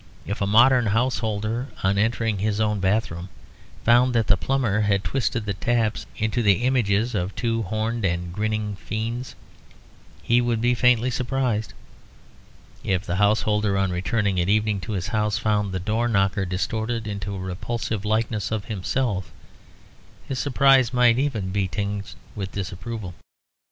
If a modern householder, on entering his own bathroom, found that the plumber had twisted the taps into the images of two horned and grinning fiends, he would be faintly surprised. If the householder, on returning at evening to his house, found the door knocker distorted into a repulsive likeness of himself, his surprise might even be tinged with disapproval.